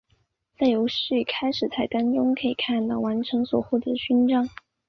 在游戏的开始菜单中可以看到完成所获得的勋章。